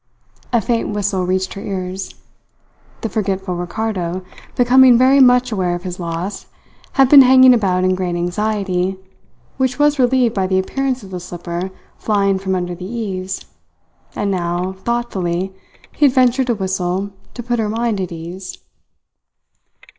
A faint whistle reached her ears. The forgetful Ricardo, becoming very much aware of his loss, had been hanging about in great anxiety, which was relieved by the appearance of the slipper flying from under the eaves; and now, thoughtfully, he had ventured a whistle to put her mind at ease.